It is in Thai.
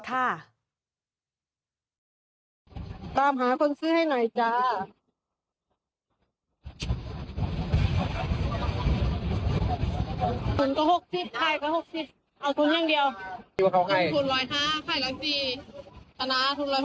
ตามหาคนซื้อให้หน่อยจ้า